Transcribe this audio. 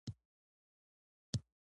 لوحه د زده کوونکو د پوهې ثبتولو وسیله وه.